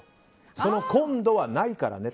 その今度はないからね。